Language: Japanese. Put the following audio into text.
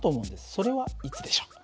それはいつでしょう？